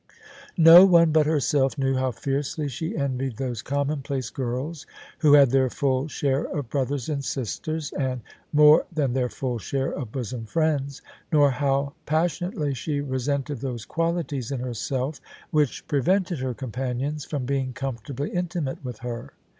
No one but herself knew how fiercely she envied those commonplace girls who had their full share of brothers and sisters, and more than their full share of bosom friends: nor how pas sionately she resented those qualities in herself which pre vented her companions from being comfortably intimate with her.